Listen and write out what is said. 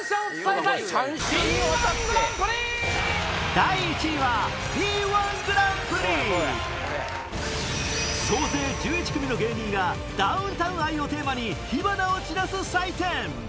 第１位はＤ−１グランプリ総勢１１組の芸人がダウンタウン愛をテーマに火花を散らす祭典